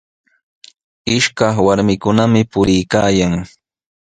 Ishakaq warmikunami puriykaayan.